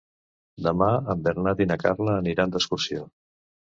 Demà en Bernat i na Carla aniran d'excursió.